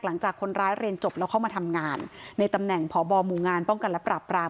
หลังจากคนร้ายเรียนจบแล้วเข้ามาทำงานในตำแหน่งพบหมู่งานป้องกันและปราบราม